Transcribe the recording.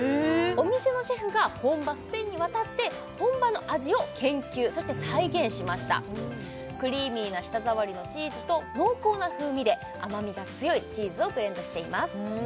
お店のシェフが本場スペインに渡って本場の味を研究そして再現しましたクリーミーな舌触りのチーズと濃厚な風味で甘みが強いチーズをブレンドしています